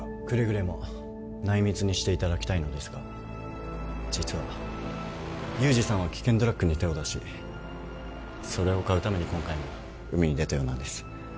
くれぐれも内密にしていただきたいのですが実は裕司さんは危険ドラッグに手を出しそれを買うために今回も海に出たようなんです